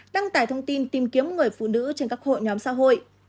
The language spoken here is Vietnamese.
đăng tải thông tin tìm kiếm người phụ nữ trên các hội nhóm xã hội